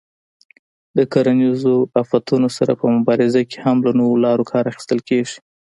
د کرنیزو آفتونو سره په مبارزه کې هم له نویو لارو کار اخیستل کېږي.